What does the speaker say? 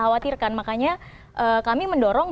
khawatirkan makanya kami mendorong